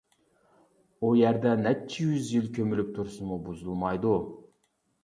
ئۇ يەردە نەچچە يۈز يىل كۆمۈلۈپ تۇرسىمۇ بۇزۇلمايدۇ.